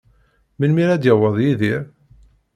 Melmi ara d-yaweḍ Yidir?